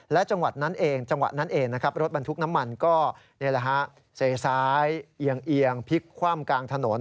และจังหวัดนั้นเองรถบรรทุกน้ำมันก็เสียซ้ายเอียงพลิกความกลางถนน